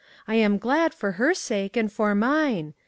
I am glad, for her sake and for mine.